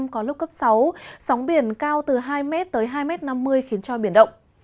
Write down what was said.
có lúc cấp sáu sóng biển cao từ hai m tới hai năm mươi khiến cho biển động